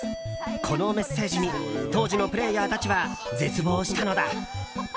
このメッセージに、当時のプレーヤーたちは絶望したのだ。